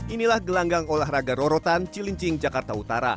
inilah gelanggang olahraga rorotan cilincing jakarta utara